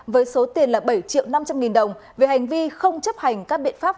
với số tiền là bảy triệu năm trăm linh nghìn đồng về hành vi không chấp hành các biện pháp